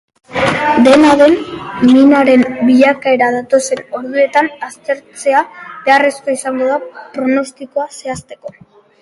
Dena den, minaren bilakaera datozen orduetan aztertzea beharrezkoa izango da pronostikoa zehazteko.